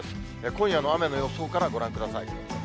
今夜の雨の予想からご覧ください。